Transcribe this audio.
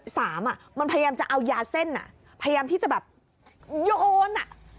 สามมันพยายามจะเอายาเส้นพยายามที่จะแบบโยน